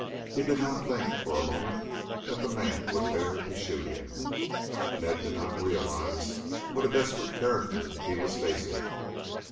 He did not think, for a moment, that the man would dare to shoot him. Ned did not realize what a desperate character he was facing.